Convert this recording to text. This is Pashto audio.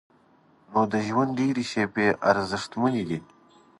نو د ژوند ډېرې شیبې ارزښتمنې دي.